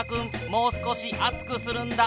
もう少し熱くするんだ。